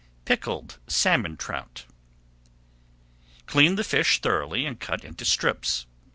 PICKLED SALMON TROUT Clean the fish thoroughly and cut into strips.